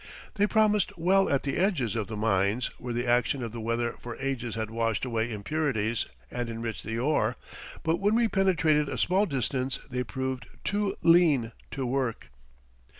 They promised well at the edges of the mines, where the action of the weather for ages had washed away impurities and enriched the ore, but when we penetrated a small distance they proved too "lean" to work.